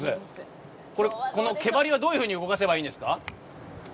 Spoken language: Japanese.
この毛針はどういうふうに動かせばいいんですか。